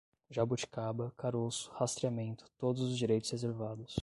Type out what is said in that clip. Jabuticaba, caroço, rastreamento, todos os direitos reservados